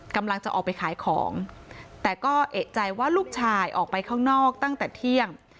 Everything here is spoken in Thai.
กำลังจะออกไปขายของแต่ก็เอกใจว่าลูกชายออกไปข้างนอกตั้งแต่เที่ยง